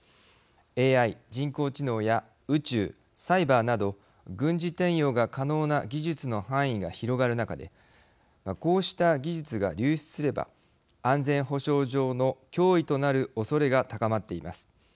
ＡＩ＝人工知能や宇宙サイバーなど軍事転用が可能な技術の範囲が広がる中でこうした技術が流出すれば安全保障上の脅威となるおそれが高まっています。